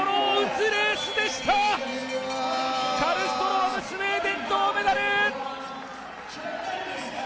カルストロームスウェーデン、銅メダル！